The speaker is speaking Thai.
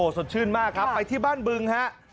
สดชื่นมากครับไปที่บ้านบึงฮะ